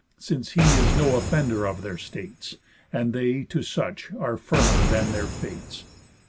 Since he is no offender of their states, And they to such are firmer than their fates."